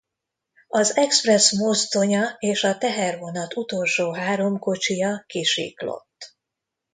Az expressz mozdonya és a tehervonat utolsó három kocsija kisiklott.